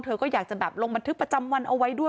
เธอก็อยากจะแบบลงบันทึกประจำวันเอาไว้ด้วย